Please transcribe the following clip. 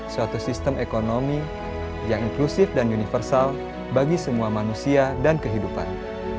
suatu sistem ekonomi yang inklusif dan universal bagi semua manusia dan kehidupan